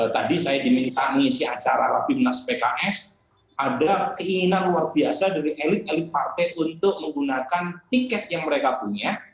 tadi saya diminta mengisi acara rapimnas pks ada keinginan luar biasa dari elit elit partai untuk menggunakan tiket yang mereka punya